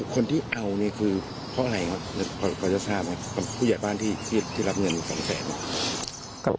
คนที่เอาเนี่ยคือเพราะอะไรก็จะทราบนะครับผู้ใหญ่บ้านที่รับเงิน๒แสน